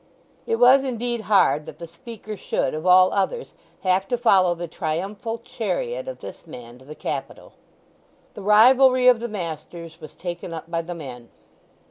It was indeed hard that the speaker should, of all others, have to follow the triumphal chariot of this man to the Capitol. The rivalry of the masters was taken up by the men.